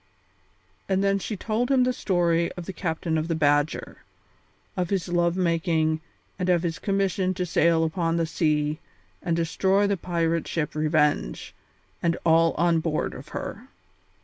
And then she told him the story of the captain of the Badger; of his love making and of his commission to sail upon the sea and destroy the pirate ship Revenge, and all on board of her.